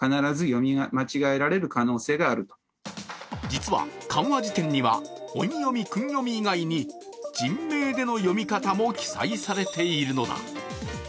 実は漢和辞典には音読み訓読み以外に、人名での読み方も記載されているのだ。